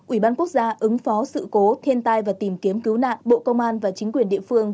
ủy ban quốc gia ứng phó sự cố thiên tai và tìm kiếm cứu nạn bộ công an và chính quyền địa phương